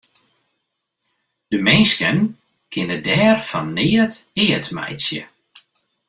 De minsken kinne dêr fan neat eat meitsje.